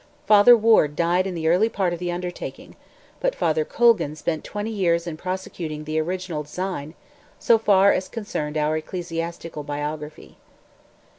Father Ward died in the early part of the undertaking, but Father Colgan spent twenty years in prosecuting the original design, so far as concerned our ecclesiastical biography.